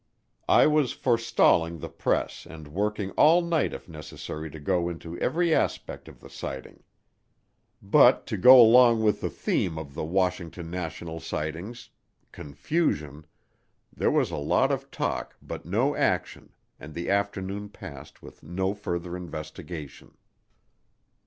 I was for stalling the press and working all night if necessary to go into every aspect of the sighting. But to go along with the theme of the Washington National Sightings confusion there was a lot of talk but no action and the afternoon passed with no further investigation.